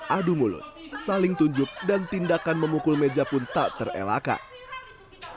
adu mulut saling tunjuk dan tindakan memukul meja pun tak terelakkan